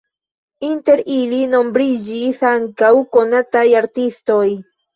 Inter ili nombriĝis ankaŭ konataj artistoj.